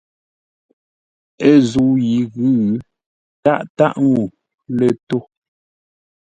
Ə́ zə̂u yi ghʉ̌, tâʼ tâʼ ŋuu lə̂ tô.